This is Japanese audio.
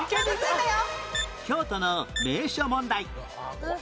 京都の名所問題